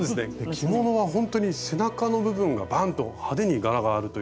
着物はほんとに背中の部分がバンと派手に柄があるというか。